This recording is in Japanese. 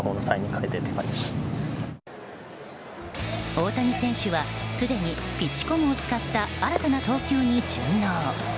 大谷選手はすでにピッチコムを使った新たな投球に順応。